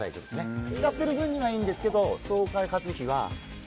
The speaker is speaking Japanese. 使っている分にはいいんですけど総開発費は。